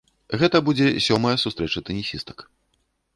Гэта будзе сёмая сустрэча тэнісістак.